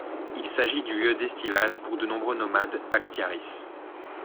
Il s'agit du lieu d'estivage pour de nombreux nomades bakhtiaris.